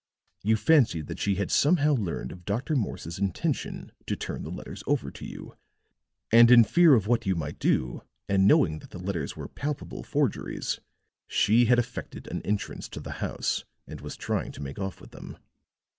You fancied that she had somehow learned of Dr. Morse's intention to turn the letters over to you; and in fear of what you might do and knowing that the letters were palpable forgeries, she had effected an entrance to the house and was trying to make off with them.